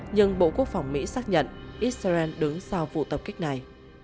nhưng bộ quốc phòng mỹ xác nhận israel đứng sau vụ tập kích này